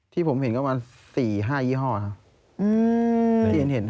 ที่ผมเห็นก็ประมาณ๔๕ยี่ห้อครับ